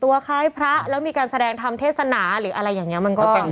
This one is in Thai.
ตัวค้าให้พระแล้วมีการแสดงทำเทศนาหรืออะไรอย่างเงี้ยมันก็ตั้ง